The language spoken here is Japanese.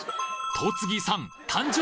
戸次さん！